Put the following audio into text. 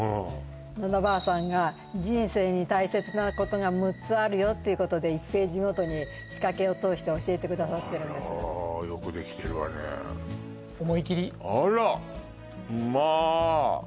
ノナばあさんが人生に大切なことが６つあるよっていうことで１ページごとに仕掛けを通して教えてくださってるんですあらよくできてるわね思い切りあらっまあ